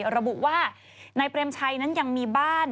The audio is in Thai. ระบุว่านายเปรมชัยนั้นยังมีบ้าน